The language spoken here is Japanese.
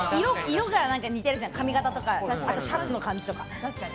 色が似てるじゃん髪形とか、シャツの感じとか。